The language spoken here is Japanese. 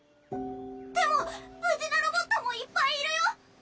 でも無事なロボットもいっぱいいるよ！